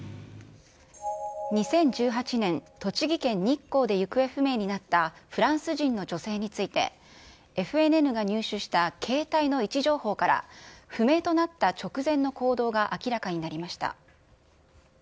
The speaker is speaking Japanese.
２０１８年、栃木県日光で行方不明になったフランス人の女性について、ＦＮＮが入手した携帯の位置情報から、不明となった直前の行動が明らかになりました。